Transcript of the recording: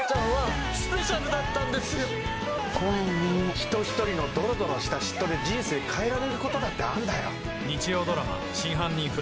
人ひとりのどろどろした嫉妬で人生変えられることだってあんだよ。